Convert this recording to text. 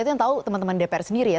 itu yang tahu teman teman dpr sendiri ya